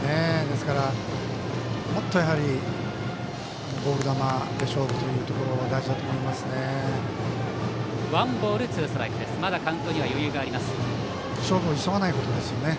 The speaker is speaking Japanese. ですから、もっとボール球で勝負というところが大事だと思いますね。